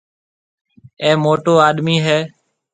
اَي موٽو آڏمِي هيَ۔